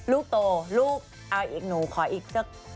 ลูกโตลูกเอาอีกหนูขออีกสัก